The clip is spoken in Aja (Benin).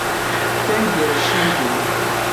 Cenjie sun go.